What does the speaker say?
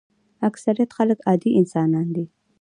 اکثریت خلک عادي انسانان دي.